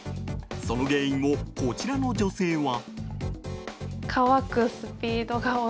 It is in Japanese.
その原因を、こちらの女性は。